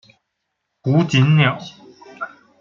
胡锦鸟。